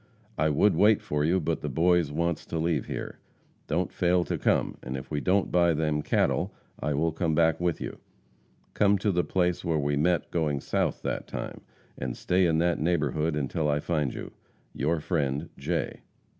I would wait for you, but the boys wants to leave here. Don't fail to come, and if we don't buy them cattle, I will come back with you. Come to the place where we met going south that time, and stay in that neighborhood until I find you. Your friend, J.